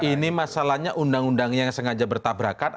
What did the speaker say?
ini masalahnya undang undangnya yang sengaja bertabrakan